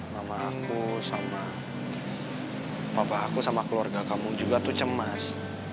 nama aku sama papa aku sama keluarga kamu juga tuh cemas